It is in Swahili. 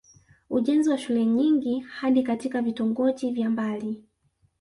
Ujenzi wa shule nyingi hadi katika vitongoji vya mbali